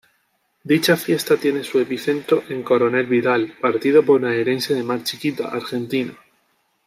Dicha Fiesta tiene su epicentro en Coronel Vidal, partido bonaerense de Mar Chiquita, Argentina.